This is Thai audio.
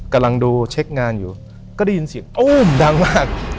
กำลังดูเช็คงานอยู่ก็ได้ยินเสียงตู้มดังมาก